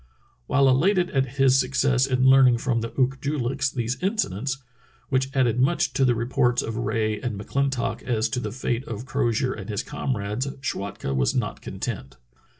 While elated at his success in learning from the Ook Schwatka's Summer Search 317 joo liks these incidents, which added much to the re ports of Rae and McClintock as to the fate of Crozier and his comrades, Schwatka was not content.